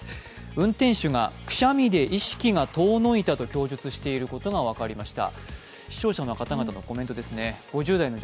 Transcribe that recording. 運転手がくしゃみで意識が遠のいたと供述していることが分かりました。